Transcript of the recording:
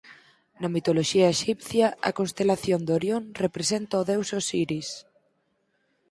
Na mitoloxía exipcia a constelación de Orion representaba ó deus Osiris.